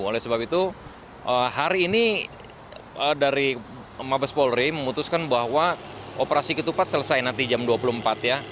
oleh sebab itu hari ini dari mabes polri memutuskan bahwa operasi ketupat selesai nanti jam dua puluh empat ya